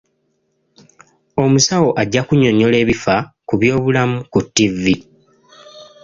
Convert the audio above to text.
Omusawo ajja kunyonnyola ebifa ku byobulamu ku ttivvi.